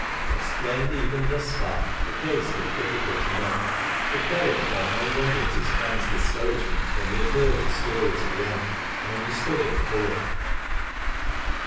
Explained even thus far, the case looked difficult enough : but Derrick felt no wonder at his friend's dis couragement when he had heard his story to the end, and understood it fully.